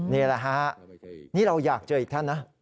นี่แหละฮะนี่เราอยากเจออีกท่านนะ